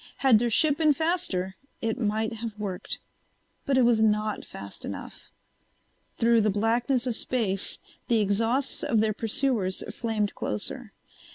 Had their ship been faster it might have worked. But it was not fast enough. Through the blackness of space the exhausts of their pursuers flamed closer.